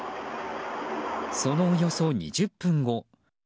その、およそ２０分後。